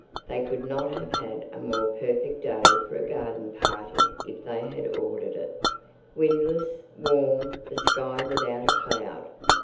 They could not have had a more perfect day for a garden party if they had ordered it. Windless, warm, the sky without a cloud.